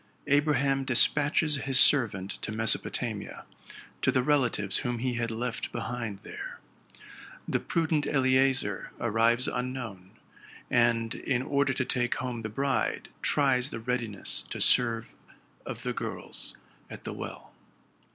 Abraham despatches his servant to Mesopotamia, to the relatives whom he had left behind there. The prudent Ele azer arrives unknown, and, in order to take home the right bride, tries the readiness to serve of the girls at the well.